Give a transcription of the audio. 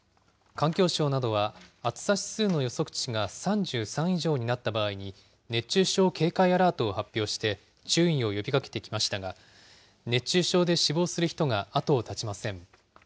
環境省などは、暑さ指数の予測値が３３以上になった場合に、熱中症警戒アラートを発表して、注意を呼びかけてきましたが、熱中症で死亡する人が後を絶ちません。